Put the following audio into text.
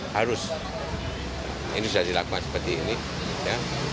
harus ini sudah dilakukan seperti ini ya